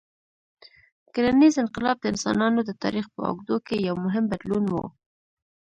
کرنيز انقلاب د انسانانو د تاریخ په اوږدو کې یو مهم بدلون و.